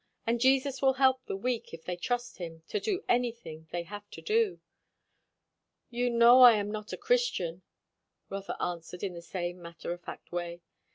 And Jesus will help the weak, if they trust him, to do anything they have to do." "You know I am not a Christian," Rotha answered in the same matter of fact way.